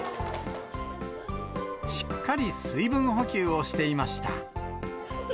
しっかり水分補給をしていました。